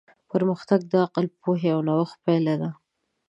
پرمختګ د عقل، پوهې او نوښت پایله ده.